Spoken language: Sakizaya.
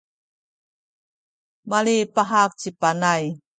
malipahak ci Panay.